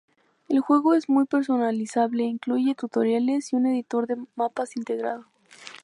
El juego es muy personalizable, incluye tutoriales y un editor de mapas integrado.